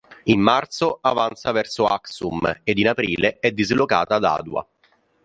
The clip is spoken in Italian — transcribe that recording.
In marzo avanza verso Axum ed in aprile è dislocata ad Adua.